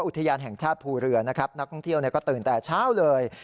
อุทยานแห่งชาติภูเรือนะครับนักท่องเที่ยวก็ตื่นแต่เช้าเลย